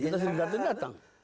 kita sering datang datang